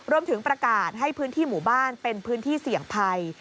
รวมถึงประกาศให้พื้นที่หมู่บ้านเป็นพื้นที่เสี่ยงภัย